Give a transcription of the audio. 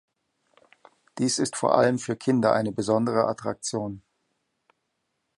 Dies ist vor allem für Kinder eine besondere Attraktion.